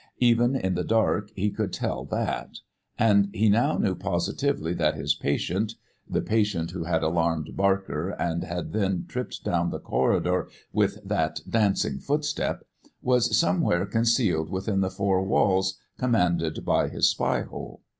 Even in the dark he could tell that. And he now knew positively that his patient the patient who had alarmed Barker, and had then tripped down the corridor with that dancing footstep was somewhere concealed within the four walls commanded by his spy hole.